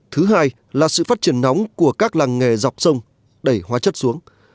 thứ hai là sự phát triển nóng của các làng nghề dọc sông đẩy hóa chất xuống